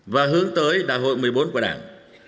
và hướng tới đại hội một mươi bốn của đảng